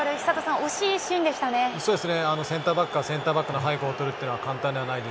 惜しいシーンでしたね。